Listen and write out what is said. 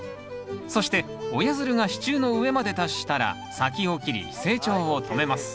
そして親づるが支柱の上まで達したら先を切り成長を止めます